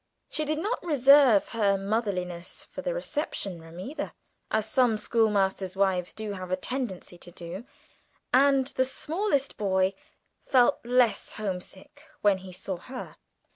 She did not reserve her motherliness for the reception room either, as some schoolmasters' wives have a tendency to do, and the smallest boy felt less homesick when he saw her.